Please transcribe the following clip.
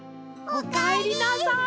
おかえりなさい！